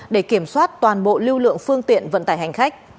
để kiểm soát toàn bộ lưu lượng phương tiện vận tải hành khách